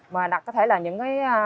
mà đặt có thể là những cái